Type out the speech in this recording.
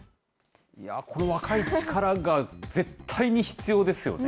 この若い力が、絶対に必要ですよね。